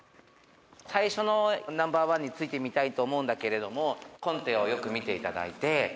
最初のナンバー１についてみたいと思うんだけれども、コンテをよく見ていただいて。